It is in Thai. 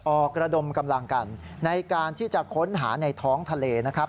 กระดมกำลังกันในการที่จะค้นหาในท้องทะเลนะครับ